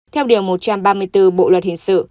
theo điều một trăm ba mươi bốn bộ luật hình sự